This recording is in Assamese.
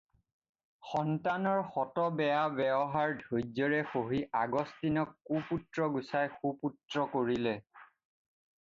সন্তানৰ শত বেয়া ব্যৱহাৰ ধৈৰ্য্যেৰে সহি অগষ্টিনক কুপুত্ৰ গুচাই সুপুত্ৰ কৰিলে।